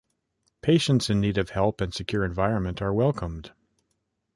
Patients in need of help and secure environment are welcomed.